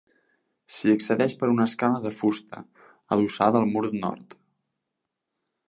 S'hi accedeix per una escala de fusta adossada al mur nord.